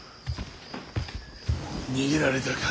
・逃げられたか。